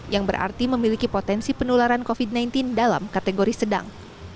yang berarti memiliki potensi penularan covid sembilan belas dalam kategori sedang